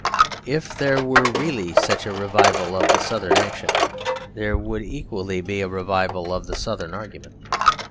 If there were really such a revival of the Southern action, there would equally be a revival of the Southern argument.